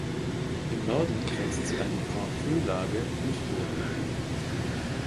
Im Norden grenzt sie an die Grand Cru-Lage Richebourg.